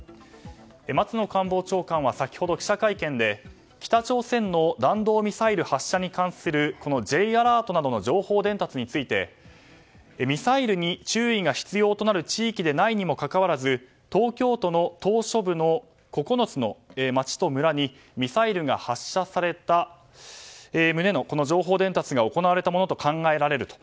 松野官房長官は先ほど記者会見で北朝鮮の弾道ミサイル発射に関するこのＪアラートなどの情報伝達についてミサイルに注意が必要となる地域でないにもかかわらず東京都の島しょ部の９つの町と村にミサイルが発射された旨の情報伝達が行われたものと考えられると。